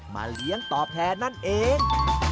เลี้ยงตอบแทนนั่นเอง